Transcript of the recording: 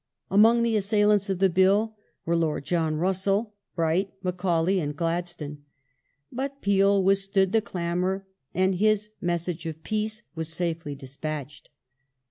Among the assailants of the Bill were Lord John Russell, Bright, Macaulay, and Gladstone. But Peel withstood the clamour and his " message of peace " was safely despatched.